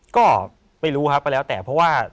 ก็ไม่รู้ครับก็แล้วแต่เพราะว่า